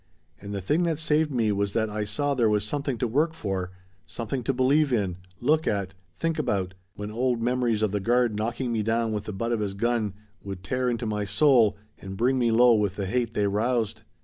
And the thing that saved me was that I saw there was something to work for something to believe in look at think about when old memories of the guard knocking me down with the butt of his gun would tear into my soul and bring me low with the hate they roused.